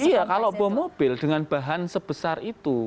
iya kalau bom mobil dengan bahan sebesar itu